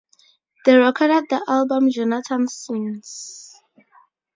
They recorded the album Jonathan Sings!